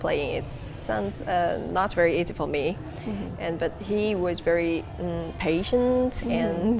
tapi dia sangat berhati hati dan sangat teman untuk mengajar anda